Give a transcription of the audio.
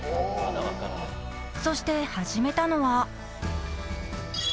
［そして始めたのは］